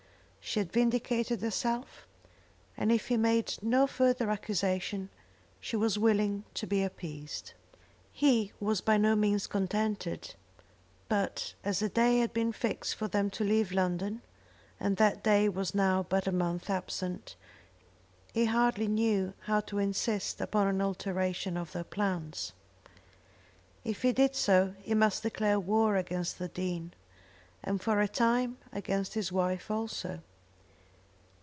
She had vindicated herself, and if he made no further accusation, she was willing to be appeased. He was by no means contented; but as a day had been fixed for them to leave London, and that day was now but a month absent, he hardly knew how to insist upon an alteration of their plans. If he did so he must declare war against the Dean, and, for a time, against his wife also.